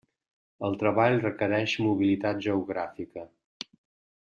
El treball requereix mobilitat geogràfica.